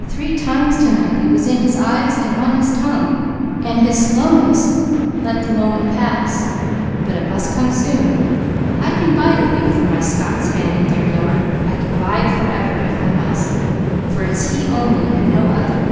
Three times to night it was in his eyes, and on his tongue, but his slowness let the moment pass. I can 'bide a wee' for my Scotsman, I can bide forever, if I must; for it's he only, and no other."